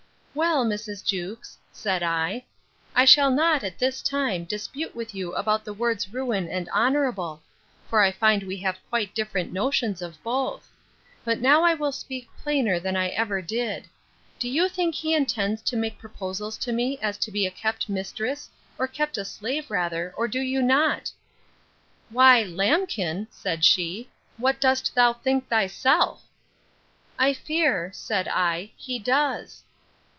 Well, Mrs. Jewkes, said I, I shall not, at this time, dispute with you about the words ruin and honourable: for I find we have quite different notions of both: But now I will speak plainer than ever I did. Do you think he intends to make proposals to me as to a kept mistress, or kept slave rather, or do you not?—Why, lambkin, said she, what dost thou think thyself?—I fear, said I, he does.